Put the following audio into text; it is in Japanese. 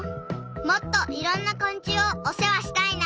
もっといろんなこん虫をおせわしたいな！